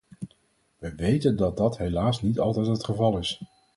We weten dat dat helaas niet altijd het geval is.